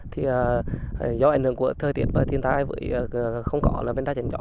thì do ảnh hưởng của thời tiết và thiên tài với không có là vần đá chẳng rõ